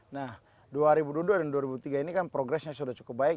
nah dua ribu dua puluh dua dan dua ribu tiga ini kan progresnya sudah cukup baik